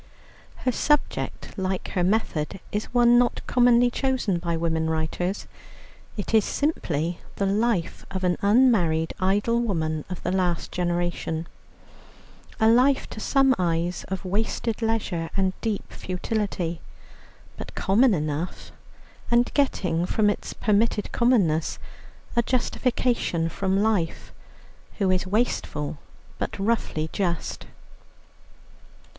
Her subject, like her method, is one not commonly chosen by women writers; it is simply the life of an unmarried idle woman of the last generation, a life (to some eyes) of wasted leisure and deep futility, but common enough, and getting from its permitted commonness a justification from life, who is wasteful but roughly just.